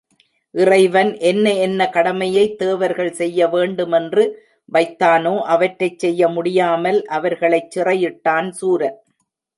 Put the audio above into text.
இறைவன் என்ன என்ன கடமையைத் தேவர்கள் செய்ய வேண்டுமென்று வைத்தானோ அவற்றைச் செய்ய முடியாமல் அவர்களைச் சிறையிட்டான் சூரன்.